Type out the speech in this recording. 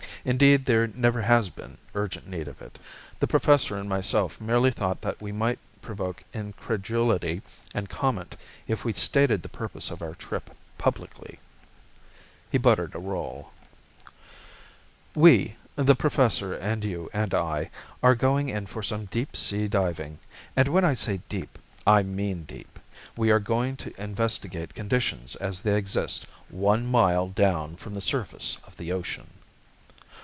Indeed there never has been urgent need of it: the Professor and myself merely thought we might provoke incredulity and comment if we stated the purpose of our trip publicly." He buttered a roll. "We the Professor and you and I are going in for some deep sea diving. And when I say deep, I mean deep. We are going to investigate conditions as they exist one mile down from the surface of the ocean."